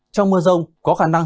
trong mưa rông có khả năng